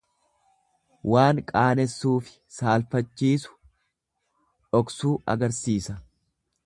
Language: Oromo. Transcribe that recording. Waan qaanessuufi saalfachiisu dhoksuu agarsiisa.